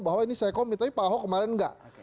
bahwa ini saya komit tapi pak ahok kemarin enggak